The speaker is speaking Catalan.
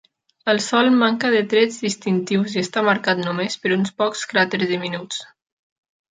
El sòl manca de trets distintius i està marcat només per uns pocs cràters diminuts.